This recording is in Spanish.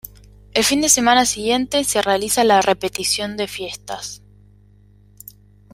El fin de semana siguiente se realiza la repetición de fiestas.